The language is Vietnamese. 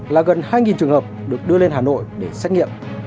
là gần hai trường hợp được đưa lên hà nội để xét nghiệm